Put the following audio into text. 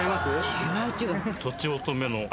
違う違う。